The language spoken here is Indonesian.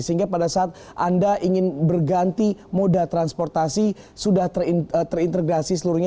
sehingga pada saat anda ingin berganti moda transportasi sudah terintegrasi seluruhnya